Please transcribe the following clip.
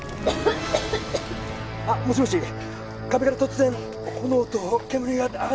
あっもしもし壁から突然炎と煙が上がってきて。